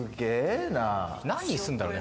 何すんだろうね？